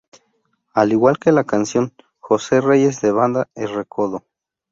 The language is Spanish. Al igual que la canción "Jose Reyes" de Banda el Recodo.